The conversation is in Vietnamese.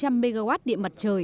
bảy bốn trăm linh mw điện mặt trời